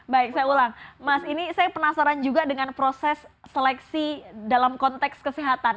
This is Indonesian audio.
baik saya ulang mas ini saya penasaran juga dengan proses seleksi dalam konteks kesehatan